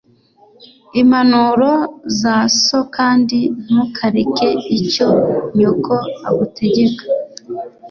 impanuro za so kandi ntukareke icyo nyoko agutegeka